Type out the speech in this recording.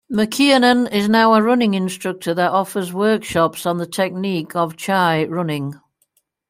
McKiernan is now a running instructor that offers workshops on the technique of ChiRunning.